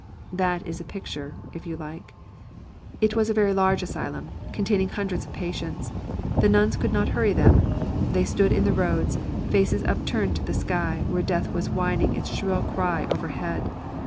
That is a picture, if you like. It was a very large asylum, containing hundreds of patients. The nuns could not hurry them. They stood in the roads, faces upturned to the sky, where death was whining its shrill cry overhead.